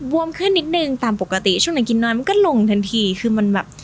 วมขึ้นนิดนึงตามปกติช่วงไหนกินน้อยมันก็ลงทันทีคือมันแบบ